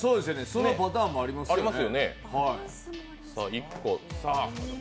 そのパターンもありますよね。